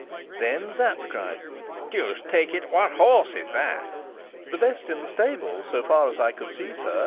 Then Sapt cried: "Deuce take it, what horse is that?" "The best in the stables, so far as I could see, sir.